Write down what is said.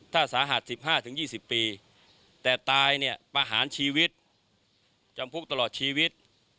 ถ้าสาหัส๑๕๒๐ปีแต่ตายเนี่ยประหารชีวิตจำคุกตลอดชีวิต